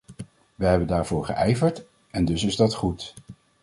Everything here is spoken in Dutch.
Wij hebben daarvoor geijverd en dus is dat goed.